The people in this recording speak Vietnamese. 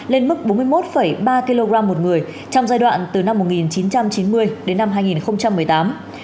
lên mức bốn mươi một ba kg một người trong giai đoạn từ năm một nghìn chín trăm chín mươi đến năm hai nghìn một mươi tám